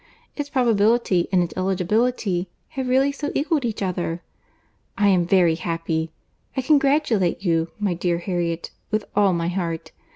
Its probability and its eligibility have really so equalled each other! I am very happy. I congratulate you, my dear Harriet, with all my heart.